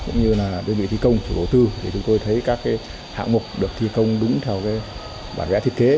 cũng như là đơn vị thi công chủ đầu tư thì chúng tôi thấy các hạng mục được thi công đúng theo bản vẽ thiết kế